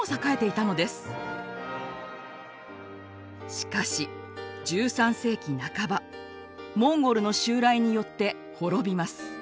しかし１３世紀半ばモンゴルの襲来によって滅びます。